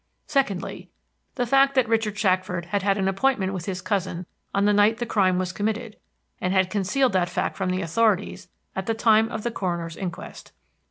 "Secondly. The fact that Richard Shackford had had an appointment with his cousin on the night the crime was committed, and had concealed that fact from the authorities at the time of the coroner's inquest.